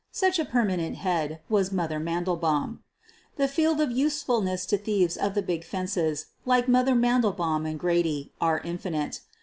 Such a permanent head was " Mother* *. Mandelbaum. The field of usefulness to thieves of the big "fences" like " Mother" Mandelbaum and Grady are infinite.